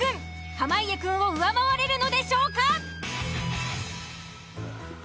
濱家くんを上回れるのでしょうか。